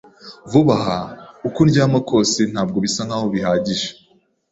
Vuba aha, uko ndyama kose, ntabwo bisa nkaho bihagije.